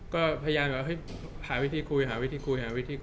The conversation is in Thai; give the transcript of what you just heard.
ก็พยายามหาวิธีคุย